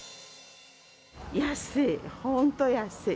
安い、本当安い。